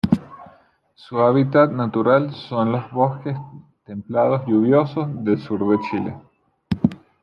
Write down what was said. Su hábitat natural son los bosques templados lluviosos del sur de Chile.